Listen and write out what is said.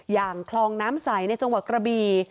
อย่างคลองน้ำใสในจังหวัดกระบี